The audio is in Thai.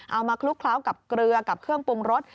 มาคลุกเคล้ากับเกลือกับเครื่องปรุงรส